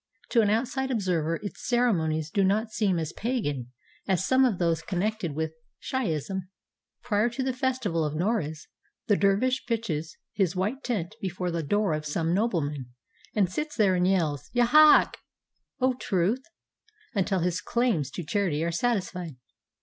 To an outside observer its ceremonies do not seem as "pagan" as some of those connected with Shiahism. Prior to the festival of Noruz the dervish pitches his white tent before the door of some nobleman, and sits there and yells, "Ya hak!" ("O truth!") until his claims to charity are satisfied.